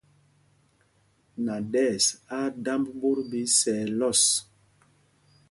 Naɗɛs á á dámb ɓot ɓɛ isɛɛ lɔs.